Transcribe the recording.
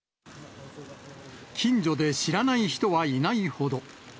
近所で知らない人はいないほど。